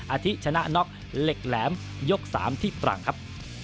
อาทิตชนะน็อกเหล็กแหลมยก๓ที่ตรังครับ